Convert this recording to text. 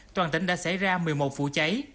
toàn tỉnh đã xảy ra một mươi một vụ cháy